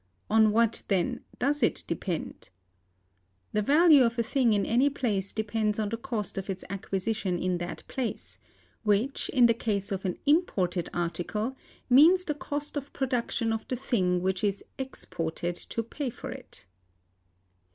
On what, then, does it depend? The value of a thing in any place depends on the cost of its acquisition in that place; which, in the case of an imported article, means the cost of production of the thing which is exported to pay for it.